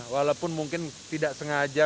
walaupun mungkin tidak sengaja